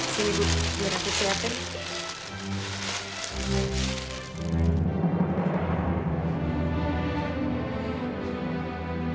sini bu biar aku siapin